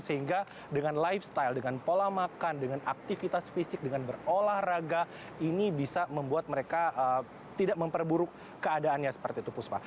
sehingga dengan lifestyle dengan pola makan dengan aktivitas fisik dengan berolahraga ini bisa membuat mereka tidak memperburuk keadaannya seperti itu puspa